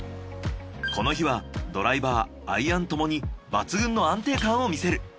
この日はドライバーアイアンともに抜群の安定感を見せる。